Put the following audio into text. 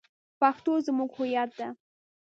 پښتو زمونږ هویت ده